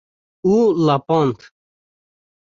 û lepand